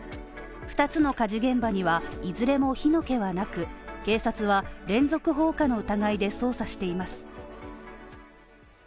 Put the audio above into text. ２つの火事現場にはいずれも火の気はなく警察は連続放火の疑いで捜査しています。